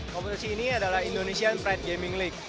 kompetisi ini adalah indonesian pride gaming league